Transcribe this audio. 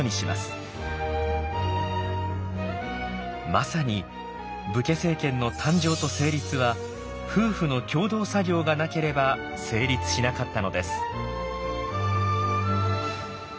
まさに武家政権の誕生と成立は夫婦の共同作業がなければ成立しなかったのです。